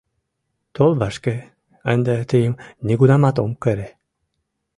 Тол вашке: ынде тыйым нигунамат ом кыре.